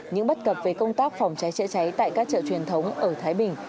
những bất cập về công tác phòng cháy chữa cháy tại các chợ truyền thống ở thái bình